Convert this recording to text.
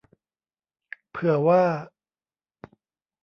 เผื่อว่า